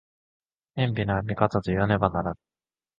偏頗な見方といわねばならぬ。